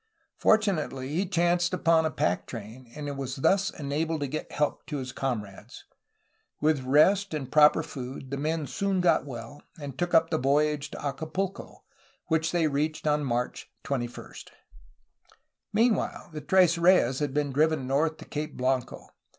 Fortunately he chanced upon a pack train, and was thus enabled to get help to his comrades. With rest and proper food the men soon got well, and took up the voyage to Acapulco, which they reached on March 21, Meanwhile the Tres Reyes had been driven north to Cape .Blanco.